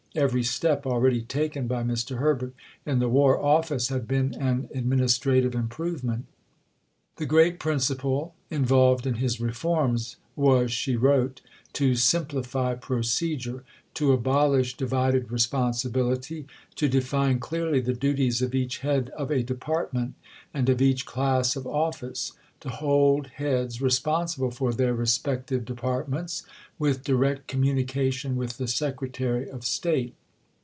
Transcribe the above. Every step already taken by Mr. Herbert in the War Office had been an administrative improvement. "The great principle involved in his reforms" was, she wrote, "to simplify procedure, to abolish divided responsibility, to define clearly the duties of each head of a department, and of each class of office; to hold heads responsible for their respective departments, with direct communication with the Secretary of State."